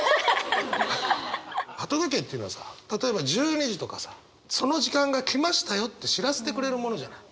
鳩時計っていうのはさ例えば１２時とかさその時間が来ましたよって知らせてくれるものじゃない。